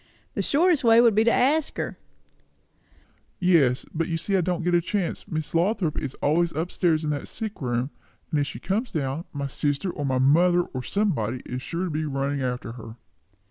"The shortest way would be to ask her." "Yes, but you see I can't get a chance. Miss Lothrop is always up stairs in that sick room; and if she comes down, my sister or my mother or somebody is sure to be running after her."